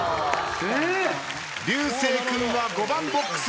流星君は５番ボックス。